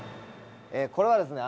これはですね